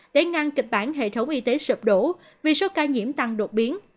để ngăn kịch bản hệ thống y tế sụp đổ vì số ca nhiễm tăng đột biến